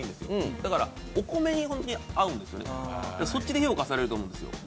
だからお米に合うんですよね、そっちで評価されると思うんですよ。